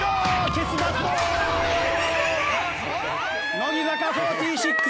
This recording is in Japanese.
乃木坂４６